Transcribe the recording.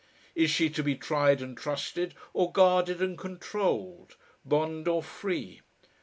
Is she to be tried and trusted or guarded and controlled, bond or free?